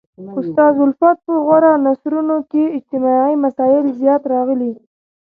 استاد الفت په غوره نثرونو کښي اجتماعي مسائل زیات راغلي.